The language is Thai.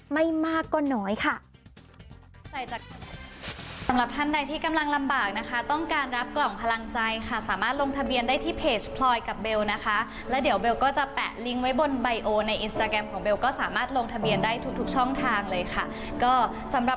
ไม่มากก็น้อยค่ะ